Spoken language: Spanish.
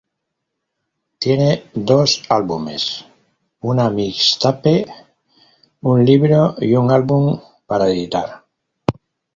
Tiene dos álbumes, una mixtape, un libro y un álbum para editar.